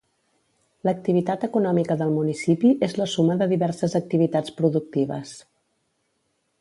L'activitat econòmica del municipi és la suma de diverses activitats productives.